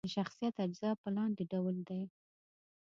د شخصیت اجزا په لاندې ډول دي: